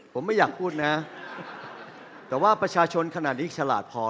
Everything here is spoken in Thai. ผมไม่อยากพูดนะแต่ว่าประชาชนขนาดนี้ฉลาดพอ